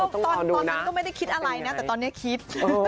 ตอนนั้นก็ไม่ได้คิดอะไรนะแต่ตอนนี้คิด